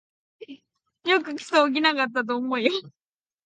よく訴訟起きなかったと思うよ